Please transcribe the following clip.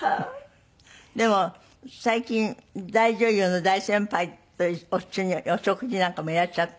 でも最近大女優の大先輩と一緒にお食事なんかもいらっしゃって？